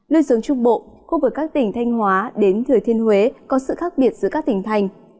lưu xuống trung bộ khu vực các tỉnh thanh hóa đến thừa thiên huế có sự khác biệt giữa các tỉnh thành